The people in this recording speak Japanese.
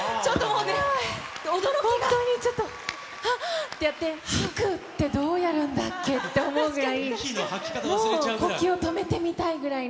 本当にちょっと、はってやって、吐くってどうやるんだっけって思うぐらい。